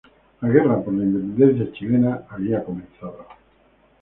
La guerra por la independencia chilena había comenzado.